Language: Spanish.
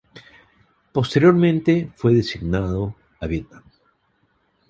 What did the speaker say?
Posteriormente, fue designado a Vietnam.